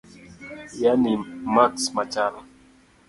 yani maks machal